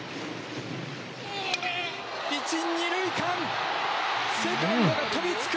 １、２塁間セカンドが飛びつく！